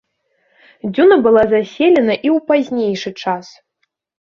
Дзюна была заселена і ў пазнейшы час.